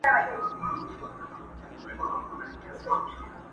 چي په برخه به د هر سړي قدرت سو.!